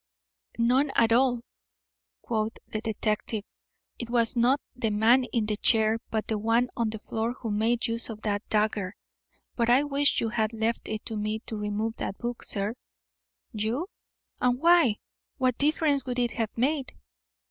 "None at all," quoth the detective. "It was not the man in the chair, but the one on the floor, who made use of that dagger. But I wish you had left it to me to remove that book, sir." "You? and why? What difference would it have made?"